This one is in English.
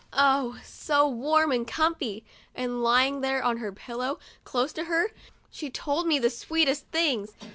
Oh, so warm and comfy; and lying there on her pillow, close to her, she told me the sweetest things